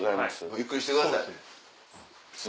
ゆっくりしてください。